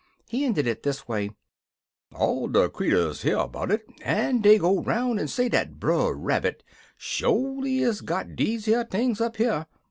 He ended in this way: "All de creeturs hear 'bout it, en dey go 'roun' en say dat Brer Rabbit sholy is got deze 'ere things up here."